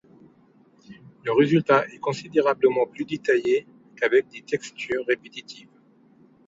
Le résultat est considérablement plus détaillé qu'avec des textures répétitives.